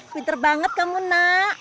pinter banget kamu nak